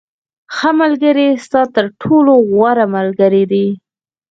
• ښه ملګری ستا تر ټولو غوره ملګری دی.